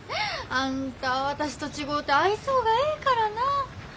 あんた私と違うて愛想がええからなあ。